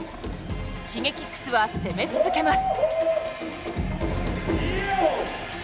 Ｓｈｉｇｅｋｉｘは攻め続けます。